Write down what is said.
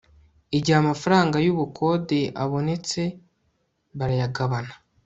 igihe amafaranga y'ubukode abonetse barayagabana